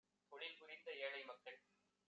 தொழில்புரிந்த ஏழைமக்கள்